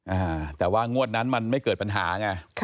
อ่าแต่ว่างวดนั้นมันไม่เกิดปัญหาไง